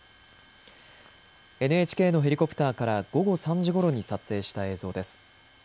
ＮＨＫのヘリコプターから午後３時ごろに撮影した映像です。